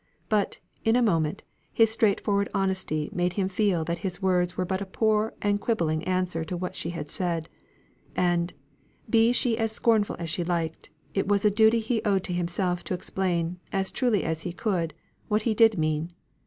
But, in a moment, his straightforward honesty made him feel that his words were but a poor and quibbling answer to what she had said, and, be she as scornful as she liked, it was a duty he owed to himself to explain, as truly as he could, what he did mean.